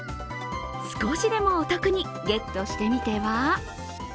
少しでもお得にゲットしてみては？